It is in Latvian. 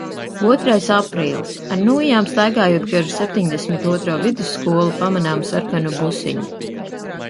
Otrais aprīlis. Ar nūjām staigājot gar septiņdesmit otro vidusskolu, pamanām sarkanu busiņu.